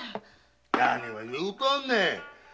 何言うとんねん。